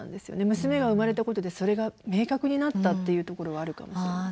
娘が生まれたことでそれが明確になったっていうところはあるかもしれません。